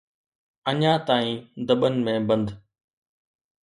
اڃا تائين دٻن ۾ بند.